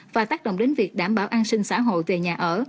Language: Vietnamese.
và tác động đến việc đảm bảo an sinh xã hội về nhà ở